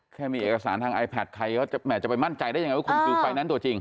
แค่มีเอกสารทางไอแพทใครเขาจะแห่จะไปมั่นใจได้ยังไงว่าคุณคือไฟแนนซ์ตัวจริง